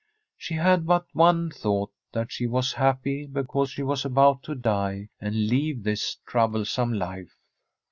She had but the one thought that she was happy because she was about to die and leave this troublesome life.